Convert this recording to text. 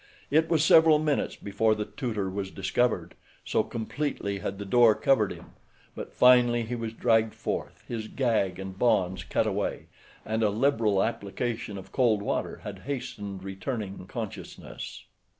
It was several minutes before the tutor was discovered, so completely had the door covered him; but finally he was dragged forth, his gag and bonds cut away, and a liberal application of cold water had hastened returning consciousness.